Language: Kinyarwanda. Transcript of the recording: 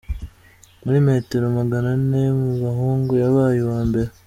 Muri metero magana ane mu bahungu, yabaye uwa mbere.